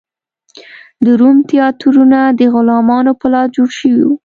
د روم تیاترونه د غلامانو په لاس جوړ شوي و.